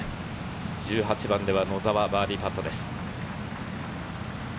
１８番では、野澤、バーディーパットです。